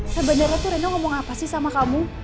sebenarnya tuh reno ngomong apa sih sama kamu